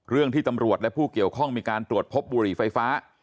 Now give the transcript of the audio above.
ที่ตำรวจและผู้เกี่ยวข้องมีการตรวจพบบุหรี่ไฟฟ้า